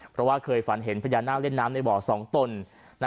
เพราะว่าเคยฝันเห็นพญานาคเล่นน้ำในบ่อ๒ตน